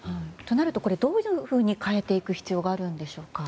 どういうふうに変えていく必要があるんでしょうか。